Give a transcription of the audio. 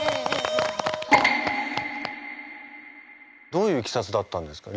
どういういきさつだったんですか？